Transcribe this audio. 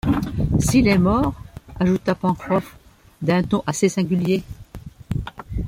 S’il est mort ?… ajouta Pencroff d’un ton assez singulier.